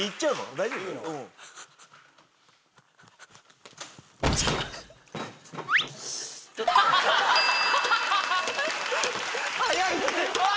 大丈夫？早い！